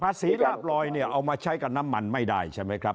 สีลาบลอยเนี่ยเอามาใช้กับน้ำมันไม่ได้ใช่ไหมครับ